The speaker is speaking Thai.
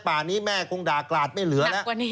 ป่านี้แม่คงด่ากราดไม่เหลือแล้ว